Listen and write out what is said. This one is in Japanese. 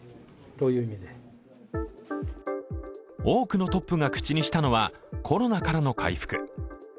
多くのトップが口にしたのはコロナからの回復。